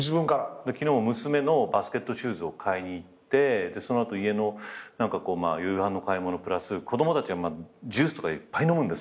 昨日娘のバスケットシューズを買いに行ってその後家のまあ夕飯の買い物プラス子供たちはジュースとかいっぱい飲むんですよ。